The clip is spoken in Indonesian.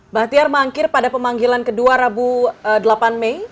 bahtiar mengakhir pada pemanggilan ke dua rabu delapan mei